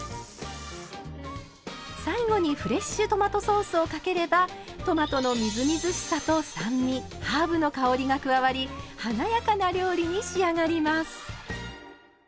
最後にフレッシュトマトソースをかければトマトのみずみずしさと酸味ハーブの香りが加わり華やかな料理に仕上がります。